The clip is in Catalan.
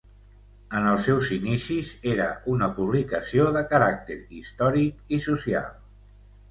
En els seus inicis era una publicació de caràcter històric i social.